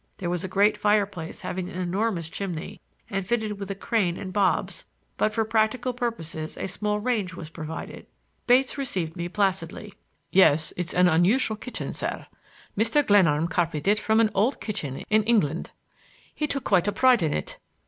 There was a great fireplace having an enormous chimney and fitted with a crane and bobs, but for practical purposes a small range was provided. Bates received me placidly. "Yes; it's an unusual kitchen, sir. Mr. Glenarm copied it from an old kitchen in England. He took quite a pride in it.